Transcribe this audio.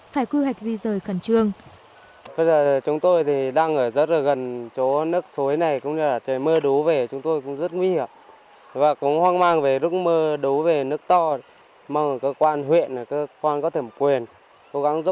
phải quy hoạch di rời khẩn trương